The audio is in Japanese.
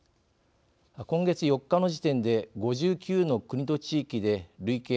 今月４日の時点で５９の国と地域で累計